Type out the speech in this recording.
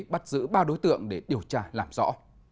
bắt giữ ba đối tượng để điều tra làm rõ